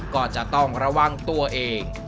ก็จะต้องระวังตัวเอง